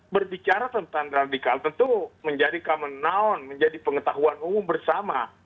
berbicara tentang radikal tentu menjadi common known menjadi pengetahuan umum bersama